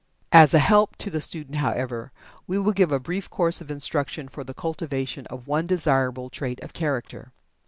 As a help to the student, however, we will give a brief course of instruction for the cultivation of one desirable trait of character.